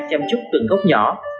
chăm chúc từng góc nhỏ